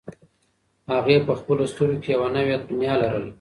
هغې په خپلو سترګو کې یوه نوې دنیا لرله.